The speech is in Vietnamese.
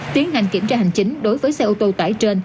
tiến hành kiểm tra hành chính đối với xe ô tô tải trên